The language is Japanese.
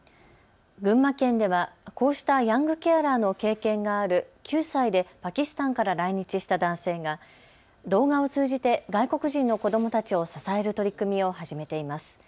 群馬県ではこうしたヤングケアラーの経験がある９歳でパキスタンから来日した男性が動画を通じて外国人の子どもたちを支える取り組みを始めています。